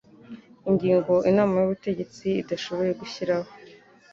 ingingo inama y ubutegetsi idashoboye gushyiraho